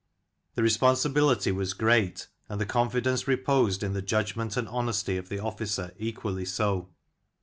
The responsibility was great, and the confidence reposed in the judgment and honesty of the officer equally so.